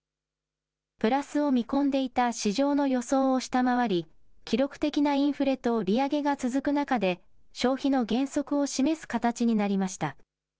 プラスを見込んでいた市場の予想を下回り、記録的なインフレと利上げが続く中で、消費の減速を示す形になりました。